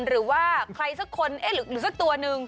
หรือว่าใครสักคนเอ๊ะหรือสักตัวนึง